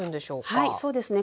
はいそうですね。